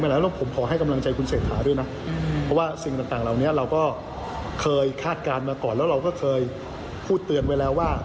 เราก็เคยคาดการณ์มาก่อนแล้วเราก็เคยพูดเตือนไว้แล้วว่า